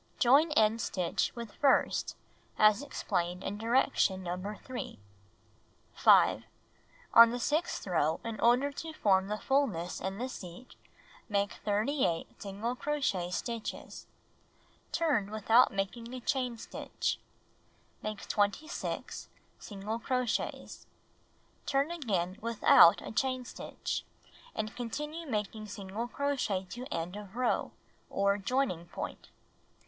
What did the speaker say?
Join end stitch with first as explained in direction No. 3. 5. On the sixth row, in order to form the fullness in the seat, make 38 single crochet stitches. Turn without making a chain stitch. Make 26 single cro chets. Turn again without a chain stitch, and continue making single crochet to end of row, or joining pomt. 6.